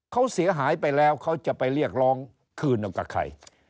เขาเสียหายไปแล้วเขาจะไปเรียกร้องคืนเอากับใคร